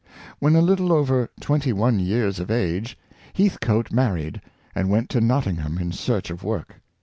When a little over twenty one years of age Heathcoat married, and went to Nottingham in search of work.